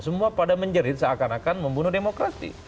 semua pada menjerit seakan akan membunuh demokrasi